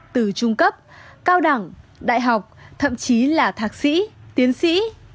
từ trung cấp cao đẳng đại học thậm chí là thạc sĩ tiến sĩ